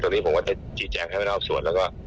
วันนี้ผมจะจีดแจงให้บินล้อส่วนแล้วก็